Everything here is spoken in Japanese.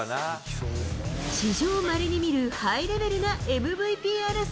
史上まれに見るハイレベルなＭＶＰ争い。